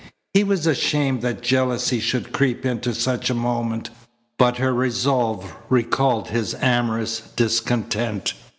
He was ashamed that jealousy should creep into such a moment, but her resolve recalled his amorous discontent.